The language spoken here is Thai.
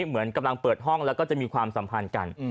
เหมือนกำลังเปิดห้องแล้วก็จะมีความสัมพันธ์กัน